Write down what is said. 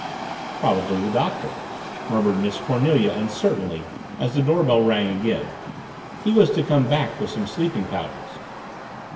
"Probably the Doctor," murmured Miss Cornelia uncertainly as the doorbell rang again. "He was to come back with some sleeping powders."